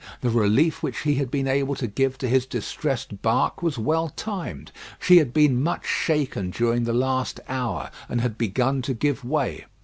The relief which he had been able to give to his distressed bark was well timed. She had been much shaken during the last hour, and had begun to give way.